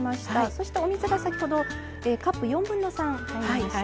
そしてお水が先ほどカップ４分の３入りました。